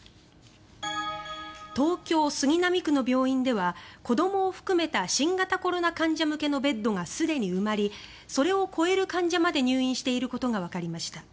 東京・杉並区の病院では子どもを含めた新型コロナ患者向けのベッドがすでに埋まりそれを超える患者まで入院していることがわかりました。